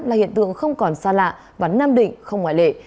là hiện tượng không còn xa lạ và nam định không ngoại lệ